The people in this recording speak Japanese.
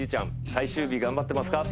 最終日頑張ってますか？